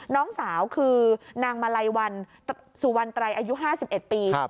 น้องสาวคือนางมาลัยวันสุวรรณไตรอายุ๕๑ปี